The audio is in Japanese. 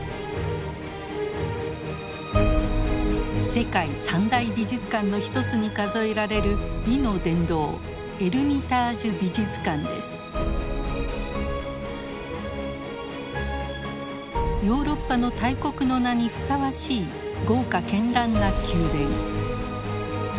世界三大美術館の一つに数えられる美の殿堂ヨーロッパの大国の名にふさわしい豪華絢爛な宮殿。